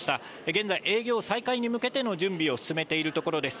現在、営業再開に向けての準備を進めているところです。